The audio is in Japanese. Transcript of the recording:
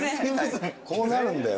こうなるんだよ。